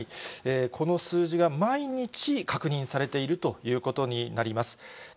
この数字が毎日確認されているということになります。